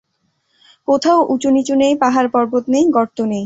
কোথাও উচু-নিচু নেই, পাহাড় পর্বত নেই, গর্ত নেই।